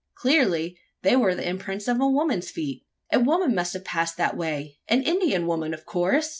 Clearly, they were the imprints of a woman's feet! A woman must have passed that way! An Indian woman of course!